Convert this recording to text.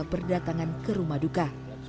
berdatangan ke rumah duka